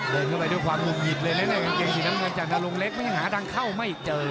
เดินเข้าไปด้วยความยุ่งหยิดเลยในกางเกงที่น้ำเงินจังอารมณ์เล็กมันยังหาทางเข้าไม่เจอ